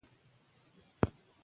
که مې پېدا کړې حتمن يې درته راوړم.